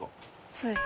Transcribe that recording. そうです。